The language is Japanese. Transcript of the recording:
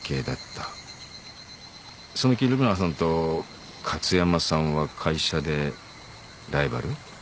その桐村さんと加津山さんは会社でライバル。